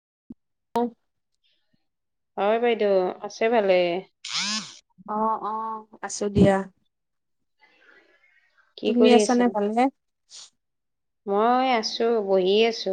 [inaudible] [inaudible] হয় বাইদেউ আছে ভালে? অ অ আছো দিয়া। কি তুমি কৰি আছে? আছানে ভালে? মই আছো বহি আছো।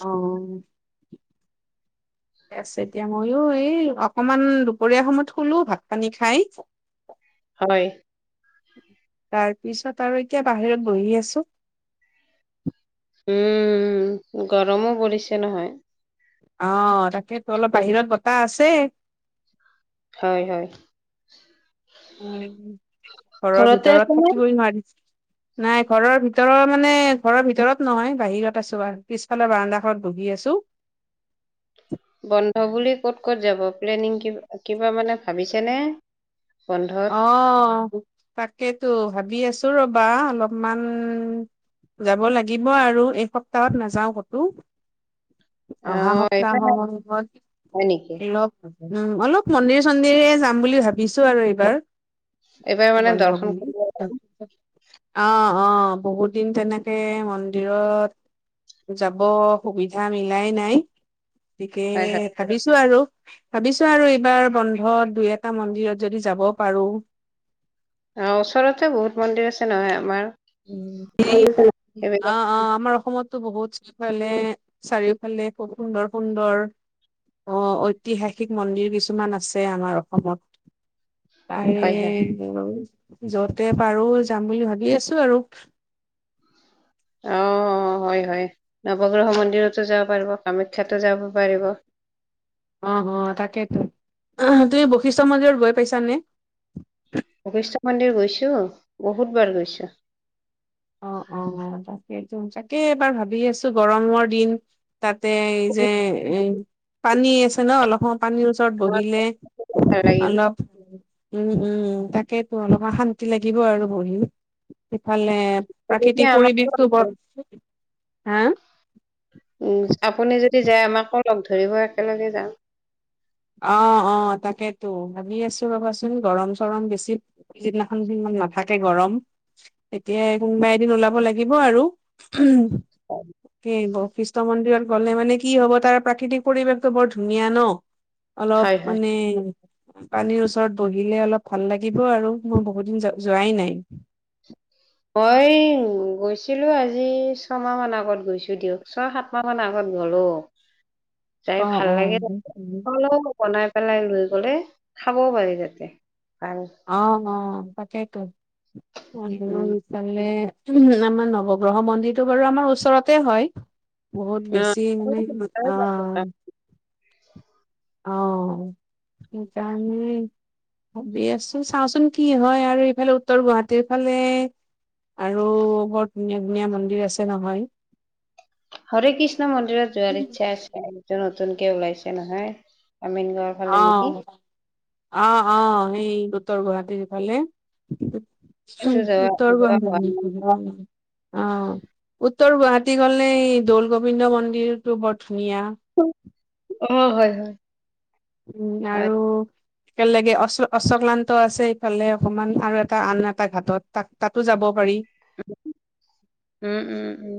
অ। [inaudible] ঠিক আছে দিয়া। ময়ো এই অকমান দুপৰীয়া সময়ত শুলো ভাত-পানী খাই। হয়। তাৰ পিছত আৰু এতিয়া বাহিৰত বহি আছো। উম গৰমো পৰিছে নহয়। অ তাকেতো অলপ বাহিৰত বতাহ আছে। হয় হয়। উ ঘৰৰ ঘৰতে ভিতৰত আছেনে? থাকিবই নোৱাৰি। নাই ঘৰৰ ভিতৰৰ মানে ঘৰৰ ভিতৰত নহয় বাহিৰত আছো, পিছফালে বাৰাণ্ডাখনত বহি আছো। বন্ধ বুলি ক'ত ক'ত যাব প্লেনিং কি কিবা মানে ভাবিছে নে? অ তাকেইতো ভাবি আছো ৰবা অলপমান যাব লাগিব আৰু এই সপ্তাহত নাযাও ক'তো। [inaudible] অহা অ' এইবাৰ সপ্তাহত হয় নেকি? অলপ উম অলপ মন্দিৰ-চন্দিৰে যাম বুলি ভাবিছো আৰু এইবাৰ। এইবাৰ মানে বন্ধ দৰ্শন বুলি কৰিব অ অ বহুত দিন তেনেকে মন্দিৰত যাব সুবিধা মিলাই নাই, গতিকে হয় হয়। ভাবিছো আৰু, ভাবিছো আৰু এইবাৰ বন্ধত দুই এটা মন্দিৰত যদি যাব পাৰো। অ ওচৰতে বহুত মন্দিৰ আছে নহয় আমাৰ। উ [unintelligible] অ সেইবিলাক অ আমাৰ অসমত বহুত ফালে চাৰিওফালে খুব সুন্দৰ-সুন্দৰ অ ঐতিহাসিক মন্দিৰ কিছুমান আছে আমাৰ অসমত। তাৰে হয় হয়। যতে পাৰো যাম বুলি ভাবি আছো আৰু। অ অ হয় হয় নৱগ্ৰহ মন্দিৰতো যাব পাৰিব, কামাখ্যাতো যাব পাৰিব। অ অ তাকেইতো। অ তুমি বৈশিষ্ঠ মন্দিৰত গৈ পাইছানে? বৈশিষ্ট্য মন্দিৰ গৈছো বহুতবাৰ গৈছো। অ অ তাকেইতো। তাকে এইবাৰ ভাবি আছোঁ গৰমৰ দিন তাতে এই যে এ পানী আছে ন অলপ সময় পানী তোমাক বহিলে ভাল লাগিব অলপ উম উম তাকে ত অলপমান শান্তি লাগিব আৰু বহি। ইফালে যদি প্ৰাকৃতিক আমাক পৰিৱেশটো বৰ, হা? উম আপুনি যদি যায় আমাকো লগ ধৰিব একেলগে যাম। অ অ তাকেতো ভাবি আছোঁ ৰবাচোন গৰম-চৰম বেছি সিদিনাখন সিমান নাথাকে গৰম তেতিয়া কোনোবা এদিন ওলাব লাগিব আৰু। তাকে বৈ বৈশিষ্ট্য মন্দিৰত গ'লে মানে কি হব তাৰ প্ৰাকৃতিক পৰিৱেশটো বৰ ধুনীয়া ন। অলপ হয় হয় মানে পানীৰ ওচৰত বহিলে অলপ ভাল লাগিব আৰু। মই বহুত দিন যো-যোৱাই নাই। মই গৈছিলোঁ আজি ছমাহ মান আগত গৈছোঁ দিয়ক। ছয়-সাত মাহ মান আগত গ'লোঁ। যাই অ ভাল অ লাগে [unintelligible] বনাই পেলাই লৈ গ'লে খাবও পাৰি তাতে। [unintelligible] অ', অ', তাকেইতো। [unintelligible] উম [unintelligible] আমাৰ নৱগ্ৰহ মন্দিৰটো বাৰু আমাৰ ওচৰতে হয়। বহুত অ। বেছি মানে [unintelligible] [unintelligible] অ', সেইকাৰণে ভাবি আছোঁ। চাওঁচোন কি হয় আৰু এইফালে উত্তৰ গুৱাহাটীৰ ফালে আৰু বৰ ধুনীয়া ধুনীয়া মন্দিৰ আছে নহয়। হৰে কৃষ্ণ মন্দিৰত যোৱাৰ ইচ্ছা আছে। এতিয়া নতুনকে ওলাইছে নহয় আমিন গাঁৱত। অ', অ' অ' সেই উত্তৰ গুৱাহাটীৰ সিফালে। সেইটো উম, যোৱা উত্তৰ যোৱা হোৱা নাই [unintelligible] অ', উত্তৰ গুৱাহাটী গ'লে এই দৌল গৌবিন্দ মন্দিৰটো বৰ ধুনীয়া। অ', হয় হয়। উম, হয়, আৰু একেলগে অচ অচ্চক্লান্ত আছে। ইফালে অকমান আৰু এটা আন এটা ঘাটত তাত তাতো যাব পাৰি। উম উম উম।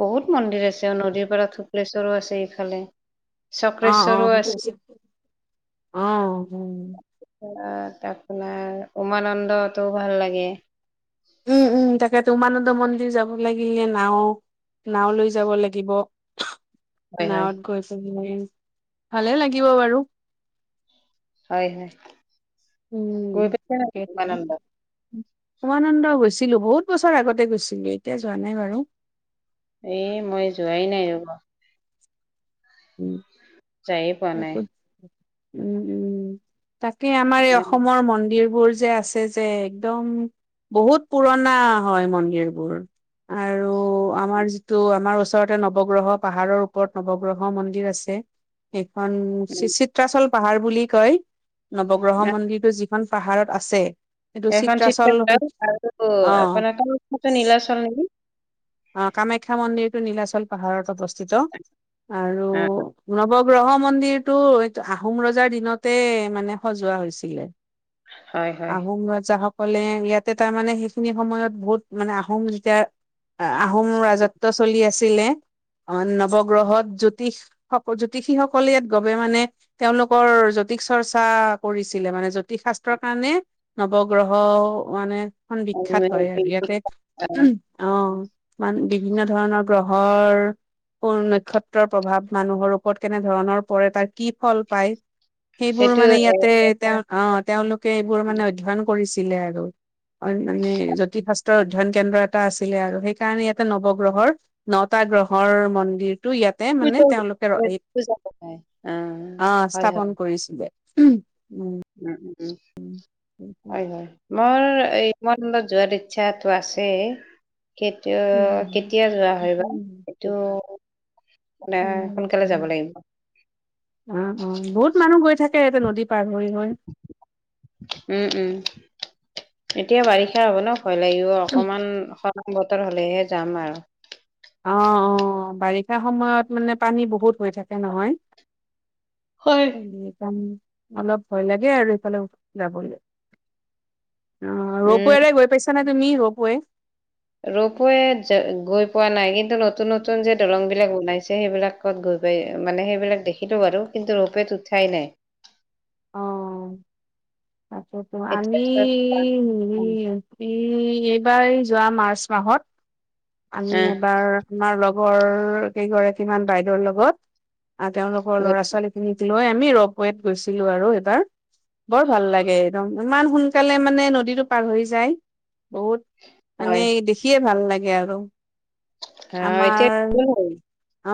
বহুত মন্দিৰ আছে আৰু নদীৰ পৰা থুক্লেশ্বৰো আছে এইফালে অ', চক্ৰেশ্বৰো অ', সেইটো আছে অ' উ [unintelligible] আপোনাৰ উমানন্দটো ভাল লাগে। উম উম তাকেটো উমানন্দ মন্দিৰ যাব লাগিলে নাও নাও লৈ যাব লাগিব। হয়, হয়, নাৱত গৈ থাকিলে ভালে লাগিব বাৰু। হয় হয়। উম। গৈ পাইছা নেকি উমানন্দ? [unintelligible] উমানন্দ গৈছিলোঁ। বহুত বছৰ আগতে গৈছিলোঁ এতিয়া যোৱা নাই বাৰু। এ, মই যোৱাই নাই ৰ'বা। [unintelligible] যায়ে পোৱা নাই। [unintelligible] উম উম তাকে আমাৰ এই অসমৰ মন্দিৰ বোৰ যে আছে যে একদম, বহুত পুৰণা হয় মন্দিৰ বোৰ। আৰু আমাৰ যিটো আমাৰ ওচৰতে নৱগ্ৰহ পাহাৰৰ ওপৰত নৱগ্ৰহ মন্দিৰ আছে। সেইখন চি চিত্ৰাচল পাহাৰ বুলি কয় নৱগ্ৰহ মন্দিৰটো যি খন পাহাৰত আছে। এখন চিত্ৰাচল আৰু অ আপোনাৰ তলত থকা নীলাচল নেকি? অ', কামাখ্যা মন্দিৰটো নীলাচল পাহাৰত অৱস্থিত আৰু অ', নৱগ্ৰহ মন্দিৰটো এইটো আহোম ৰজাৰ দিনতে মানে সজোৱা হৈছিলে। হয়, হয়। আহোম ৰজা সক ক'লে ইয়াতে তাৰমানে সেইখিনি সময়ত বহুত মানে আহোম যেতিয়া আ আহোম ৰাজত্ব চলি আছিলে অ', নৱগ্ৰহত জ্যোতিষ সক জ্যোতিষিসকলে ইয়াত গবে মানে তেওঁলোকৰ জ্যোতিষ চৰ্চা কৰিছিলে মানে জ্যোতিষ শাস্ত্ৰৰ কাৰণে নৱগ্ৰহ মানে এখন বিখ্যাত হয় আৰু ইয়াতে [unintelligible] অ'। মান বিভিন্ন ধৰণৰ গ্ৰহৰ [unintelligible] নক্ষত্ৰৰ প্ৰভাৱ মানুহৰ ওপৰত কেনেধৰণৰ পৰে তাৰ কি ফল পায় সেইবোৰ সেইটো মানে ইয়াতে তেওঁ অ', তেওঁলোকে এইবোৰ মানে অধ্যয়ন কৰিছিলে আৰু কাৰণ মানে জ্যোতিষ শাস্ত্ৰ অধ্যয়ন কেন্দ্ৰ এটা আছিলে আৰু সেই সেই কাৰণে ইয়াতে নৱগ্ৰহৰ নটা গ্ৰহৰ মন্দিৰটো ইয়াত তে মানে তেওঁলোকে [unintelligible] এই অ', অ', হয়, স্থাপন হয়। কৰিছিলে। উম। উম উম হয় হয়। মোৰ এই মন যোৱাৰ ইচ্ছাটো আছে। উম। কেতিয়া-কেতিয়া যোৱা হয় বা উম। এইটো। মানে উম। সোনকালে যাব লাগিব। উম, অ', বহুত মানুহ গৈ থাকে, এনে নদী পাৰ হৈ। উম, উম, এতিয়া বাৰিষা হ'ব ন'। হ'লেও অকমান সলং [unintelligible] বতৰ হ'লেহে যাম আৰু। অ, অ', বাৰিষা সময়ত মানে পানী বহুত হৈ থাকে নহয়। হয়। অলপ ভয় লাগে আৰু, এইফালে যাব লৈ। অ', উম, ৰৌপেৰে গৈ পাইছাঁ নে, তুমি ৰপে ৰপ গৈ পোৱা নাই কিন্তু, নতুন-নতুন যে দলং বিলাক বনাইছে, সেইবিলাক গৈ পাই, মানে সেইবিলাক দেখিলোঁ বাৰু, কিন্তু ৰোপৱত উঠাই নাই। অ', ততো এতিয়া আমি এই, এইবাৰ এই যোৱা মাৰ্চ মাহত আমি অ', এবাৰ, আমাৰ লগৰ কেইগৰাকীমান বাইদেউৰ লগত আহ, তেওঁলোকৰ ল'ৰা গৈছোঁ ছোৱালী খিনিক লৈ আমি ৰোপেত গৈছিলোঁ আৰু এইবাৰ। বৰ ভাল লাগে, একদম ইমান সোনকালে মানে নদীটো পাৰ হৈ যায়। বহুত, মানে হয়, দেখিয়ে ভাল লাগে আৰু। অ', এতিয়া আমাৰ হ'ল অ,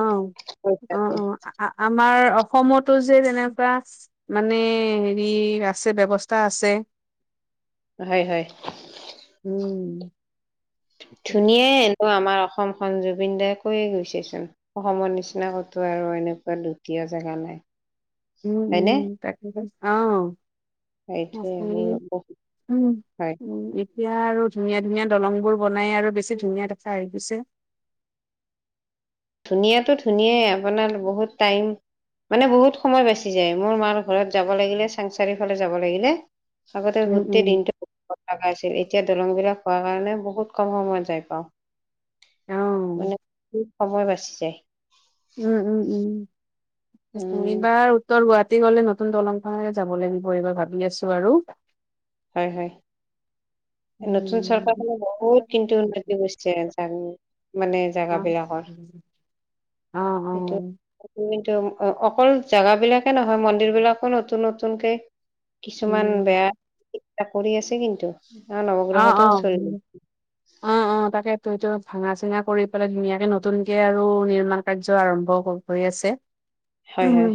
অ, পইচাটো। অ'। আমাৰ অসমটো যে, তেনেকুৱা মানে হেৰি আছে, ব্যৱস্থা আছে। হয়, হয়। উম। এয়া, এনো আমাৰ অসমখন, জুবিন দায়ে কৈয়ে গৈছেচোন। অসমৰ নিচিনা ক'তো আৰু এনেকুৱা দ্বিতীয় জেগা নাই। উম, উম, হয়নে তাকে অ' সেইটোৱে মোৰ বহুত উম। হয় উম, এতিয়া আৰু ধুনীয়া-ধুনীয়া দলং বোৰ বনাই আৰু বেছি ধুনীয়া দেখা আহি গৈছে। ধুনীয়াটো ধুনীয়াই, আপোনাৰ বহুত টাইম মানে বহুত সময় বাচি যায়, মোৰ মাৰ ঘৰত যাব লাগিলে, চাংচাৰিফালে যাব লাগিলে আগতে উম উম গোটেই দিনটো লগাইছিল, এতিয়া দলং বিলাক হোৱাৰ কাৰণে, বহুত কম সময়ত যাই পাওঁ। অ মানে, সময় বাচি যায়। উম, উম, উম উমনিবাৰ [unintelligible] উত্তৰ গুৱাহাটী গ'লে নতুন দলংখনেৰে যাব লাগিব, এইবাৰ ভাবি আছোঁ আৰু। হয়, হয়, নতুন উম। চৰকাৰখনে বহুত কিন্তু, উন্ন নিশ্চয় যানি মানে [unintelligible] অ, অ, অ'। উম, কিন্তু অকল জাগা বিলাকে নহয় মন্দিৰ বিলাকো নতুন-নতুনকে কিছুমান উম, বেয়া [unintelligible] কৰি আছে কিন্তু, কাৰ অ', নৱগ্ৰহটো অ'। [unintelligible] অ', [inaudible] অ', তাকেটো এইটো ভাঙা চিঙা কৰি পেলাই ধুনীয়াকে নতুন কে আৰু, নিৰ্মাণ কাৰ্য আৰম্ভ হৈ আছে। [inaudible] উম।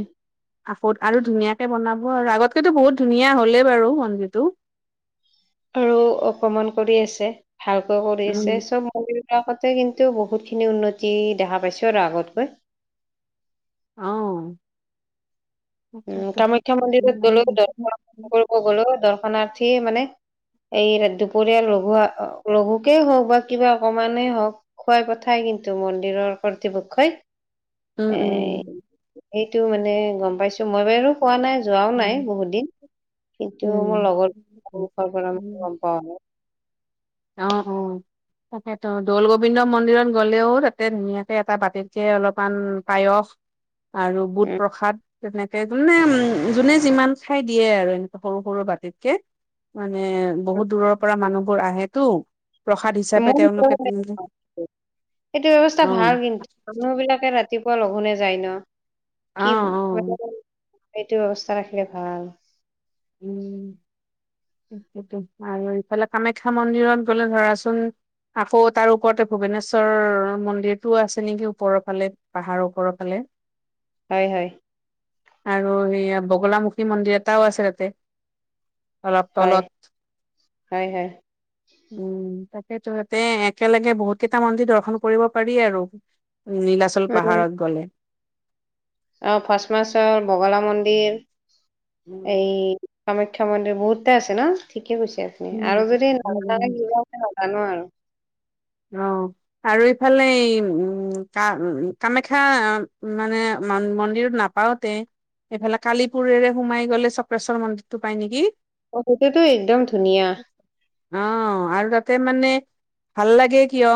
আগত আৰু ধুনীয়াকে বনাব আৰু আগতকেটো বহুত ধুনীয়া হ'লেই বাৰু মন্দিৰটো। আৰু অকমান কৰি আছে, ভালকৈ কৰি আছে, উম, মন্দিৰটো আগতকে কিন্তু বহুতখিনি, বহুত খিনি উন্নতি দেখা পাইছোঁ আৰু আগতকৈ। অঁ। উম, কামাখ্যা মন্দিৰত গ'লেও দৰ্শন কৰিব গ'লেও দৰ্শনাৰ্থীয়ে মানে এই দুপৰীয়া লঘু, আ, লঘুকেই হওঁক বা কিবা অকমানেই হওঁক। খোৱাই পঠায় কিন্তু, মন্দিৰৰ কৰ্তৃপক্ষই। উম, এই উম, সেইটো মানে গম পাইছো মই বাৰু পোৱা নাই যোৱাও নাই বহুত দিন। কিন্তু মোৰ উম। লগৰ মুখৰ পৰা উম। গম পাও মানে। অ অ [inaudible] তাকেতো দৌল গোবিন্দ মন্দিৰত গ'লেও তাতে ধুনীয়াকে এটা বাতিতে অলপমান পায়স আৰু বুট উম, প্ৰসাদ তেনেকে যোনে উম যোনে যিমান খায় দিয়ে আৰু এনেকে সৰু-সৰু বাটিতকে। মানে বহুত দূৰৰ পৰা মানুহবোৰ আহেতো। প্ৰসাদ হিচাপে তেওঁলোকে তেনেকে [unintelligible] সেইটো ব্যৱস্থা অ ভাল কিন্তু। মানুহ বিলাকে ৰাতিপুৱা লঘোনে যায় ন অ কি অ এইটো ব্যৱস্থা ৰাখিলে ভাল। [inaudible] সেইটো আৰু ইফালে কামাখ্যা মন্দিৰত গলে ধৰাচোন আকৌ তাৰ ওপৰতে ভূৱনেশ্বৰৰ মন্দিৰটোও আছে নেকি ওপৰৰ ফালে পাহাৰৰ ওপৰৰ ফালে। হয়, হয়। আৰু সেয়া বগলামুখী মন্দিৰ এটাও আছে তাতে। অলপ হয় তলত। হয় হয় উম, তাকে তহঁতে একেলগে বহুত কেইটা মন্দিৰ দৰ্শন কৰিব পাৰি আৰু। উম, নীলাচল উম পাহাৰত গ'লে। অ, ফচ মাছৰ বগলা মন্দিৰ উম, এই কামাখ্যা মন্দিৰ বহুতে আছে না ঠিকে কৈছে আপুনি আৰু যদি উম, নাজানো আৰু। অ। আৰু ইফালে এই উম কা কামাখ্যা মানে মন্দিৰত নাপ পাওতে এইফালে কালিপুৰেৰে সোমাই গলে চক্ৰেশ্বৰ মন্দিৰটো পাই নেকি। অ, সেইটোতো একদম ধুনীয়া। অ, আৰু তাতে মানে ভাল লাগ লাগে কিয়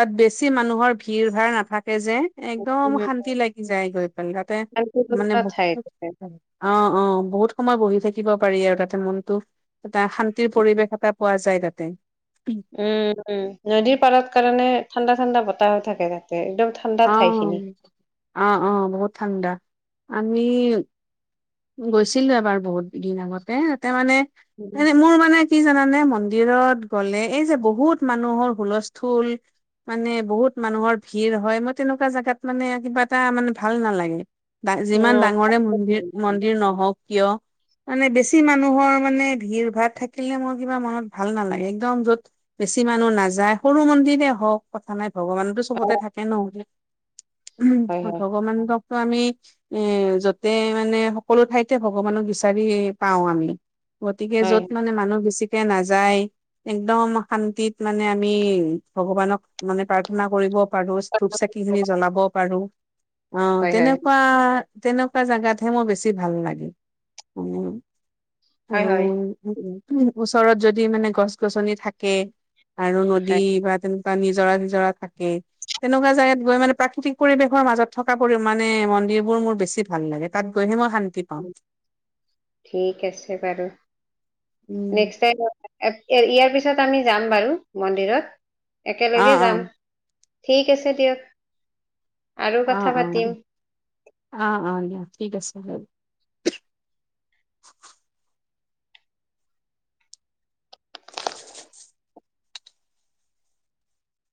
তাত বেছি মানুহৰ ভিৰ-ভাৰ নাথাকে যে। একদম উম শান্তি লাগি যায় গৈ পেলাই তাতে শান্তিপূৰ্ণ মানে বহুত ঠাই তাতে। অ, অ, বহুত সময় বহি থাকিব পাৰি আৰু তাতে মনটো এটা শান্তিৰ পৰিৱেশ এটা পোৱা যায় তাতে। উম, উম, নদীৰ পাৰত কাৰণে ঠাণ্ডা-ঠাণ্ডা বতাহো থাকে তাতে একদম ঠা অঁ, অ, অ, বহুত ঠাণ্ডা, আমি গৈছিলো এবাৰ বহুতদিন আগতে তাতে মানে এ মোৰ মানে কি জানানে মন্দিৰত গ'লে এই যে বহুত মানুহৰ হুলস্থুল মানে বহুত মানুহৰ ভিৰ হয়, মই তেনেকুৱা জাগাত মানে কিবা এটা মানে ভাল নালাগে। বা যিমান অ ডাঙৰে মন্দিৰ, মন্দিৰ নহওক কিয় মানে বেছি মানুহৰ মানে ভিৰ-ভাৰ থাকিলে মোৰ কিবা মনত ভাল নালাগে একদম য'ত বেছি মানুহ নাযায় সৰু মন্দিৰে হওক কথা নাই ভগৱানতো অ চবতে থাকে নহ'লে উ হয় হয় ভগৱান ত' আমি এ যতে মানে সকলো ঠাইতে ভগৱানক বিচাৰি পাও আমি, গতিকে হয় যত মানে মানুহ বেছি য়া নাযায় একদম শান্তিত মানে আমি ভগৱানক মানে প্ৰাৰ্থনা কৰিব পাৰহচ ধূপ চাকি খিনি জ্বলাবও পাৰো, অ, হয় হয় তেনেকুৱা-তেনেকুৱা জেগাত হে মোৰ বেছি ভাল লাগে, উ। হয়, হয়। উ উ ওচৰত যদি মানে গছ-গছনি থাকে আৰু নদী হয় বা তেনে বা নিজৰা-চিজৰা থাকে তেনেকুৱা জাগাত গৈ মানে প্ৰাকৃতিক পৰিবেশৰ মাজত থকা পৰি মানে মন্দিৰবোৰ মোৰ বেছি ভাল লাগে। তাত গৈহে মই শান্তিত উম, ঠিক আছে বাৰু‌ উম নেস্ক টাইম ইয়াৰ পিছত আমি যাম বাৰু মন্দিৰত, অ একেলগে অ যাম। ঠিক আছে দিয়ক। আৰু কথা অহ', পাতিম অহ'। অহ', অহ' দিয়া ঠিক আছে বাৰু।